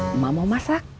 mama mau masak